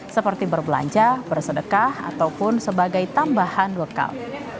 seperti berbelanja bersedekah ataupun sebagai tambahan lokal